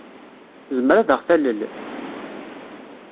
Tezmer ad aɣ-talel?